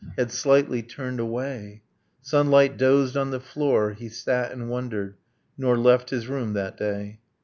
. Had slightly turned away ... Sunlight dozed on the floor ... He sat and wondered, Nor left his room that day.